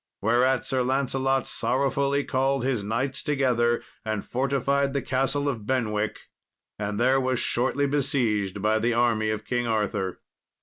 Whereat Sir Lancelot sorrowfully called his knights together and fortified the Castle of Benwicke, and there was shortly besieged by the army of King Arthur.